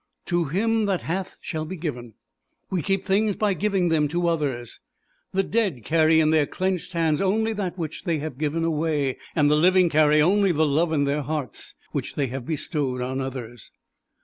To him that hath shall be given. We keep things by giving them to others. The dead carry in their clenched hands only that which they have given away; and the living carry only the love in their hearts which they have bestowed on others.